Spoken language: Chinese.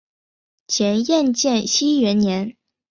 前燕建熙元年。